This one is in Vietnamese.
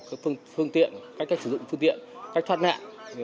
các phương tiện cách cách sử dụng phương tiện cách thoát nạn